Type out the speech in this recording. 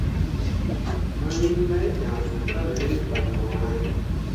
Mawin mai ʼnyah suu pabe ne fan joŋ ahe.